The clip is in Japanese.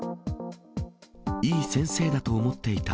いい先生だと思っていた。